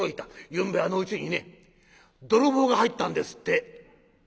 ゆんべあのうちにね泥棒が入ったんですって」。